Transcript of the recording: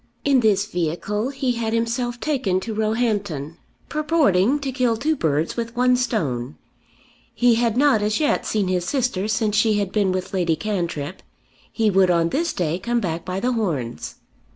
In this vehicle he had himself taken to Roehampton, purporting to kill two birds with one stone. He had not as yet seen his sister since she had been with Lady Cantrip. He would on this day come back by The Horns.